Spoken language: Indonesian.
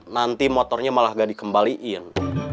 nanti motornya malah gak dikembaliin